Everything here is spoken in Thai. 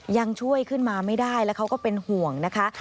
ยังช่วยขึ้นมาไม่ได้แล้วเขาก็เป็นห่วงนะคะ